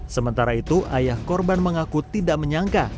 sementara itu ayah korban mengaku tidak menyangka